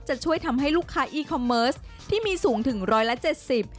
จะช่วยทำให้ลูกค้าอีคอมเมิร์สที่มีสูงถึง๑๗๐ชิ้น